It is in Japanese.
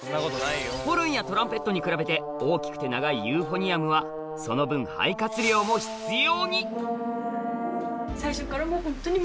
ホルンやトランペットに比べて大きくて長いユーフォニアムはその分と思ってる。